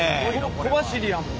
小走りやもん。